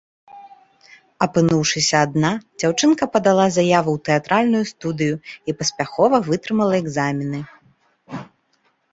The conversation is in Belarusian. Апынуўшыся адна, дзяўчынка падала заяву ў тэатральную студыю і паспяхова вытрымала экзамены.